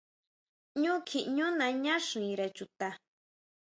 Ñú kjiʼñú naña xire chuta.